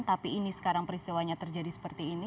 tapi ini sekarang peristiwanya terjadi seperti ini